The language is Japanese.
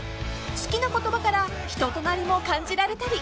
［好きな言葉から人となりも感じられたり。